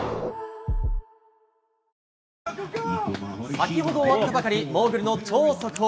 先ほど終わったばかりモーグルの超速報。